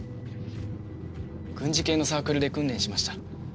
軍事系のサークルで訓練しました。